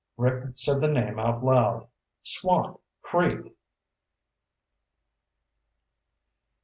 Rick said the name aloud. "Swamp Creek!"